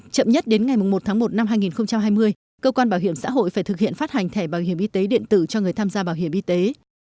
chậm nhất đến ngày một tháng một năm hai nghìn hai mươi cơ quan bảo hiểm xã hội phải thực hiện phát hành thẻ bảo hiểm y tế điện tử cho người tham gia bảo hiểm y tế